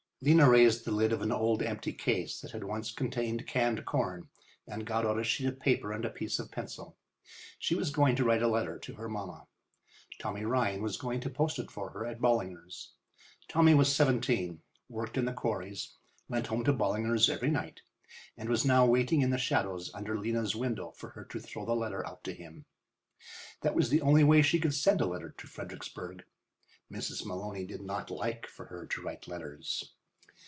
Lena raised the lid of an old empty case that had once contained canned corn and got out a sheet of paper and a piece of pencil. She was going to write a letter to her mamma. Tommy Ryan was going to post it for her at Ballinger's. Tommy was seventeen, worked in the quarries, went home to Ballinger's every night, and was now waiting in the shadows under Lena's window for her to throw the letter out to him. That was the only way she could send a letter to Fredericksburg. Mrs. Maloney did not like for her to write letters.